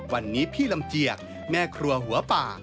วันนี้พี่ลำเจียกแม่ครัวหัวป่า